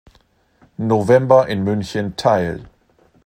November in München teil.